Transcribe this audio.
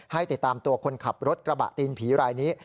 ให้ติดตามตัวคนขับรถกระบะตีนผีรายนี้